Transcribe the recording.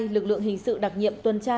lực lượng hình sự đặc nhiệm tuần tra